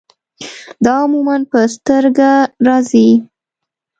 دا عموماً پۀ سترګه راځي